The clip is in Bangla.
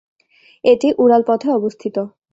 এটি উড়াল পথে অবস্থিত।